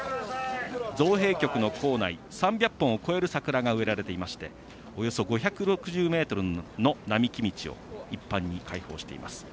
造幣局の構内３００本を超える桜が植えられていましておよそ５６０ｍの並木道を一般に開放しています。